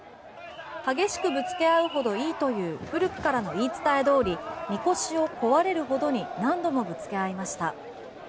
激しくぶつけ合うほどいいという古くからの言い伝えどおりみこしを壊れるほどに何度もぶつけ合いました。